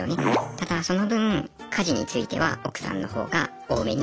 ただその分家事については奥さんの方が多めに。